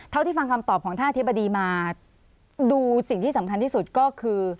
เท่าที่ฟังคำตอบของท่านอธิบดีมาดูสิ่งที่สำคัญที่สุดก็คือ